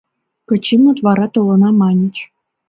— Кычимыт «вара толына» маньыч.